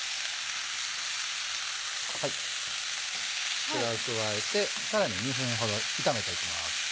こちらを加えてさらに２分ほど炒めていきます。